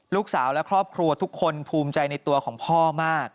ลูกสาวและครอบครัวทุกคนภูมิใจในตัวของพ่อมาก